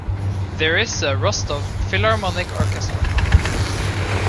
There is a Rostov Philharmonic Orchestra.